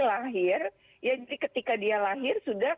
lahir ya jadi ketika dia lahir sudah